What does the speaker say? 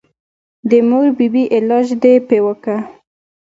د مور بي بي علاج دې پې وکه.